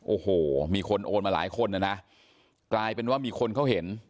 โอ้โหมีคนโอนมาหลายคนนะนะกลายเป็นว่ามีคนเขาเห็น